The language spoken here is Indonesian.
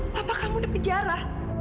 papa kamu di penjara